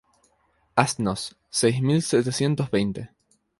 asnos, seis mil setecientos y veinte.